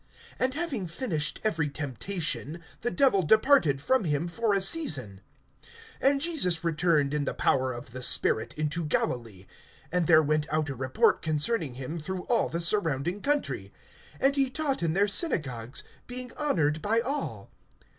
(13)And having finished every temptation, the Devil departed from him for a season. (14)And Jesus returned in the power of the Spirit into Galilee; and there went out a report concerning him through all the surrounding country. (15)And he taught in their synagogues, being honored by all.